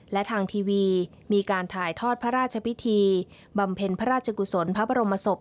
และทางทีวีมีการถ่ายทอดพระราชพิธีบำเพ็ญพระราชกุศลพระบรมศพ